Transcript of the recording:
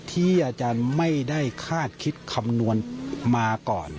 ที่อาจารย์ไม่ได้คาดคิดคำนวณมาก่อน